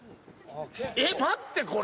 えっ待ってこれ。